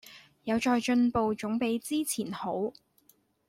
有在進步總比之前好